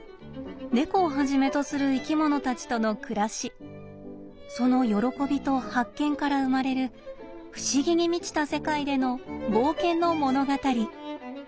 猫をはじめとする生き物たちとの暮らしその喜びと発見から生まれる不思議に満ちた世界での冒険の物語。